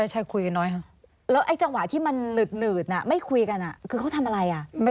หนืดไม่คุยกันอะคือเขาทำอะไรอะ